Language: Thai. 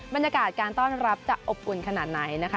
บรรยากาศการต้อนรับจะอบอุ่นขนาดไหนนะคะ